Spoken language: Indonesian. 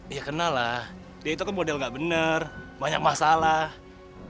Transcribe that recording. iya kenal lah dia itu model gak bener banyak masalah